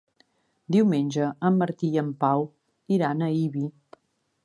Diumenge en Martí i en Pau iran a Ibi.